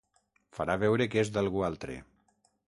Farà veure que és algú altre.